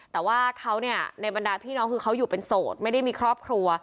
แต่ว่าเขาเนี่ยในบรรดาพี่น้องคือเขาอยู่เป็นโสดไม่ได้มีครอบครัว